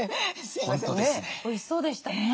おいしそうでしたね。